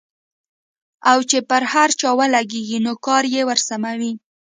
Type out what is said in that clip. او چې پر هر چا ولګېږي نو کار يې ورسموي.